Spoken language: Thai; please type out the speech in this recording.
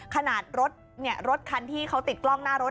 ขนาดรถคันที่เขาติดกล้องหน้ารถ